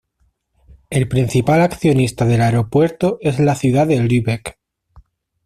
El principal accionista del aeropuerto es la ciudad de Lübeck.